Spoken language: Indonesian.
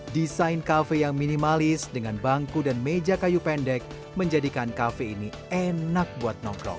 desain kafe yang minimalis dengan bangku dan meja kayu pendek menjadikan kafe ini enak buat nongkrong